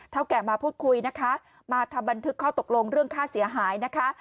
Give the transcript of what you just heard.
แก่มาพูดคุยนะคะมาทำบันทึกข้อตกลงเรื่องค่าเสียหายนะคะ